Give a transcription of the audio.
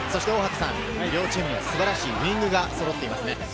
両チーム素晴らしいウイングがそろっています。